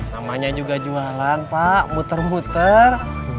namanya juga jualan pak muter muter